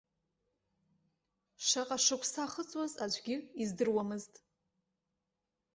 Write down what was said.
Шаҟа шықәса ахыҵуаз аӡәгьы издыруамызт.